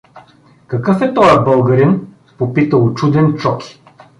— Какъв е тоя българин? — попита учуден Чоки.